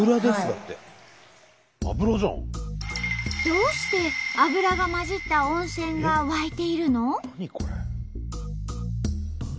どうして油がまじった温泉が湧いているの？